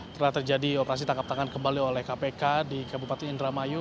telah terjadi operasi tangkap tangan kembali oleh kpk di bupati indra mayu